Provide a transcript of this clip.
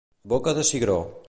Boca de cigró.